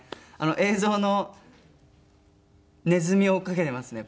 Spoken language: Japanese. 映像のネズミを追っかけてますね